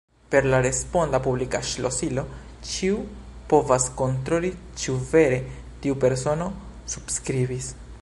Per la responda publika ŝlosilo ĉiu povas kontroli, ĉu vere tiu persono subskribis.